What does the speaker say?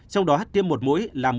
trong đó hắt tiêm một mũi là một mươi chín